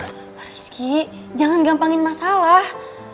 rizky jangan gampangin masalah